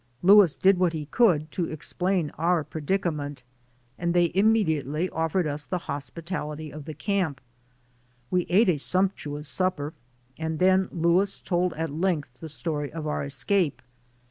Louis did what he could to explain our predicament, and they imme diately offered us the hospitality of the camp. We ate a sumptuous supper and then Louis told at length the story of our escape.